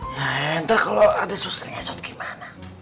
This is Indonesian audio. ya ntar kalau ada sustrinya kesot gimana